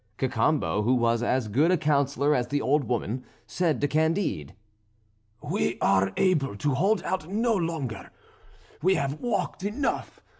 Cacambo, who was as good a counsellor as the old woman, said to Candide: "We are able to hold out no longer; we have walked enough.